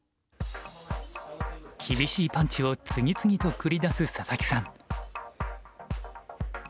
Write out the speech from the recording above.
厳しいパンチを次々と繰り出す佐々木さん。